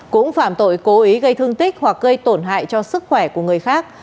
cũng phạm tội cố ý gây thương tích hoặc gây tổn hại cho sức khỏe của người khác